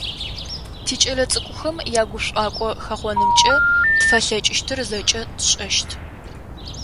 Тикӏэлэцӏыкӏухэм ягушӏуагъо хэхъонымкӏэ тфэлъэкӏыщтыр зэкӏэ тшӏэщт.